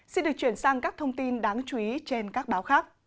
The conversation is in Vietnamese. xin được chuyển sang các thông tin đáng chú ý trên các báo khác